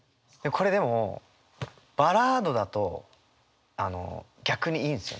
これでもバラードだと逆にいいんですよね。